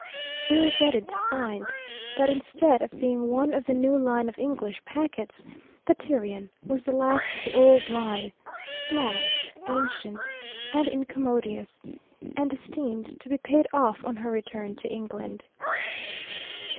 We regretted to find, that instead of being one of the new line of English packets, the Tyrian was the last of the old line; small, ancient, and incommodious, and destined to be paid off on her return to England.